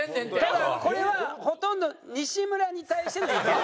ただこれはほとんど西村に対しての意見です。